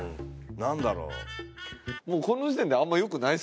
「なんだろう？」。